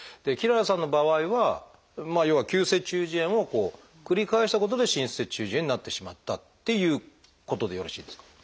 きららさんの場合は要は急性中耳炎を繰り返したことで滲出性中耳炎になってしまったっていうことでよろしいですか？